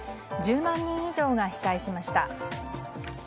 １０万人以上が被災しました。